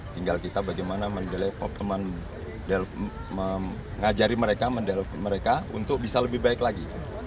tinggal kita bagaimana mengajari mereka untuk bisa lebih baik lagi